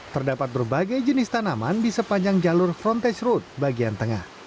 terdapat berbagai jenis tanaman di sepanjang jalur frontage road bagian tengah